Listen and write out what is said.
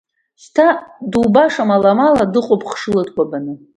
Шьҭа дубашам аламала, дыҟоуп хшыла дкәабаны.